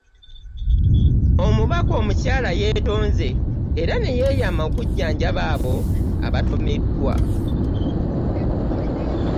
Omubaka omukyala yeetonze era neyeeyama okujjanjaba abo abaatomeddwa.